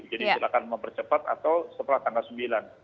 jadi silakan mempercepat atau setelah tanggal sembilan